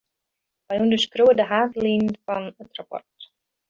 Wy ûnderskriuwe de haadlinen fan it rapport.